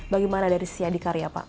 bagaimana dari si adikarya pak